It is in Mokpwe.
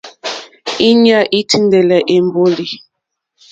Íɲá î tíndɛ́lɛ́ èmbólì.